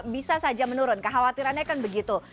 bisa saja menurun kekhawatirannya kan begitu